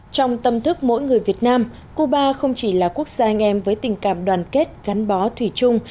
trong tâm thức mỗi người việt nam cuba không chỉ là quốc gia anh em với tình cảm đoàn kết gắn bó thủy chung